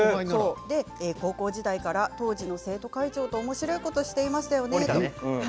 高校時代から当時の生徒会長とおもしろいことをしていましたよね。